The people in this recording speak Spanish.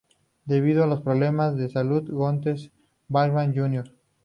Debido a los problemas de salud de Goetz "Valhalla Jr.